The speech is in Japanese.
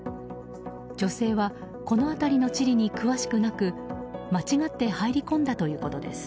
女性はこの辺りの地理に詳しくなく間違って入り込んだということです。